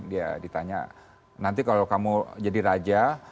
dia ditanya nanti kalau kamu jadi raja